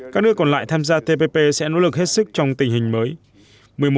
các nước còn lại tham gia tpp sẽ nỗ lực hết sức trong tình hình mới